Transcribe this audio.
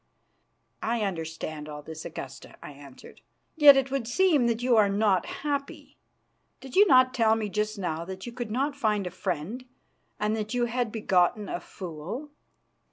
"I understand all this, Augusta," I answered. "Yet it would seem that you are not happy. Did you not tell me just now that you could not find a friend and that you had begotten a fool?"